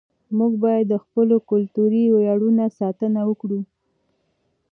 موږ باید د خپلو کلتوري ویاړونو ساتنه وکړو.